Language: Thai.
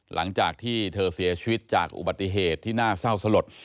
หลังจากที่เธอเสียชีวิตจากอุบัติเหตุที่น่าเศร้าสลด